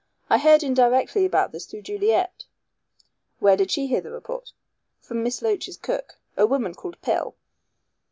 I heard indirectly about this, through Juliet." "Where did she hear the report?" "From Miss Loach's cook. A woman called Pill.